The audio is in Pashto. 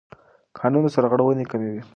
قانون سرغړونې کموي.